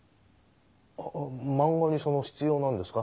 ああ漫画にその必要なんですか？